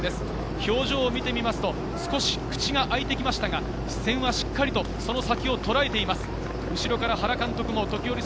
表情を見てみますと、少し口が開いてきましたが、視線はしっかりとその先をとらえています。